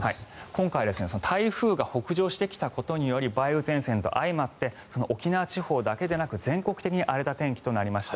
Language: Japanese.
今回台風が北上してきたことにより梅雨前線と相まって沖縄地方だけでなく全国的に荒れた天気となりました。